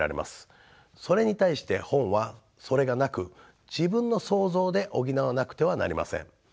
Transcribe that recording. それに対して本はそれがなく自分の想像で補わなくてはなりません。